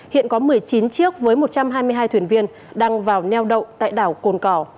hiện có một mươi chín chiếc với một trăm hai mươi hai thuyền viên đang vào neo đậu tại đảo cồn cỏ